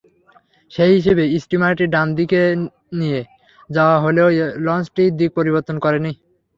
সেই হিসেবে স্টিমারটি ডান দিকে নিয়ে যাওয়া হলেও লঞ্চটি দিক পরিবর্তন করেনি।